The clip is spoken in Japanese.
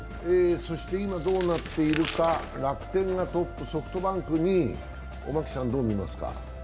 今どうなっているか、楽天がトップソフトバンクが２位、おマキさんどう見ますか？